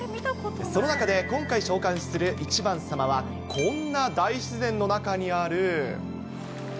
その中で今回紹介する１番さまは、こんな大自然の中にある。